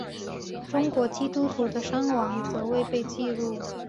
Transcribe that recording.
中国基督徒的伤亡则未被记录。